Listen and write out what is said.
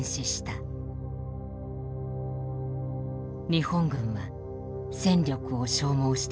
日本軍は戦力を消耗していた。